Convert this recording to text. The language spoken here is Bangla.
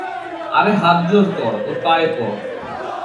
আরে হাতজোর কর, ওর পায়ে পড়।